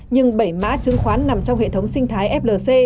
nhưng bảy mã chứng khoán nằm trong hệ thống sinh thái flc